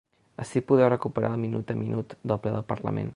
Ací podeu recuperar el minut-a-minut del ple del parlament.